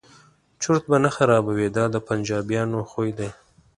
چرت به نه خرابوي دا د پنجابیانو خوی دی.